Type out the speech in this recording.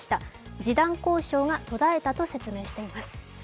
示談交渉が途絶えたと説明しています。